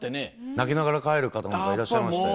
泣きながら帰る方なんかいらっしゃいましたよ。